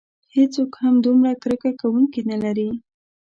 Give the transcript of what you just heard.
هیڅوک هم دومره کرکه کوونکي نه لري.